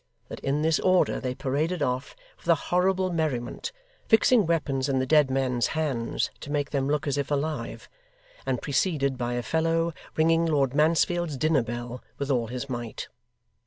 That in this order they paraded off with a horrible merriment; fixing weapons in the dead men's hands to make them look as if alive; and preceded by a fellow ringing Lord Mansfield's dinner bell with all his might.